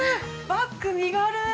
バック身軽。